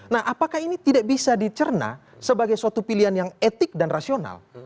nah apakah ini tidak bisa dicerna sebagai suatu pilihan yang etik dan rasional